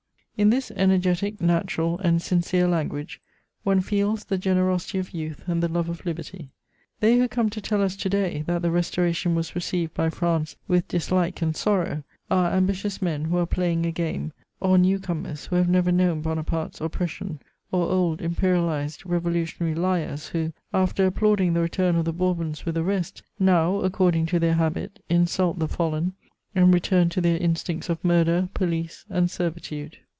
In this energetic, natural and sincere language, one feels the generosity of youth and the love of liberty. They who come to tell us to day that the Restoration was received by France with dislike and sorrow are ambitious men who are playing a game, or new comers who have never known Bonaparte's oppression, or old imperialized revolutionary liars who, after applauding the return of the Bourbons with the rest, now, according to their habit, insult the fallen and return to their instincts of murder, police and servitude.